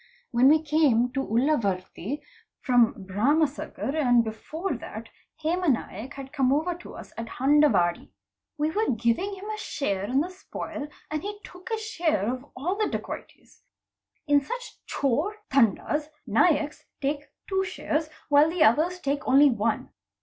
When we came to Ulleverthi from Bharam — sagar and before that Hema Naik had come over to us at Handvadi. i We were giving him a share in the spoil and he took his share of all the | dacoities. In such Chor Tandas, Naiks take two shares, while the others _ take only one.